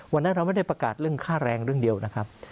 วันนั้นเราไม่ได้ประกาศเรื่องค่าแรงเรื่องเดียวนะครับ